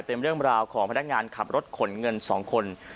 เป็นเรื่องราวของพนักงานขับรถขนเงิน๒คน